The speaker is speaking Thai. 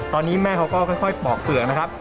ตอนนี้แม่เขาก็ค่อยปอกเปลือกนะครับ